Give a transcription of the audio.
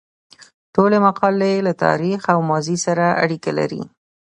ټولې مقالې له تاریخ او ماضي سره اړیکه لري.